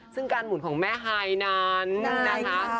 ซึ่งการหมุนของแม่ฮายนั้นนะคะ